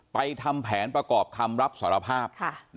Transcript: ทำแผนประกอบคำรับสารภาพ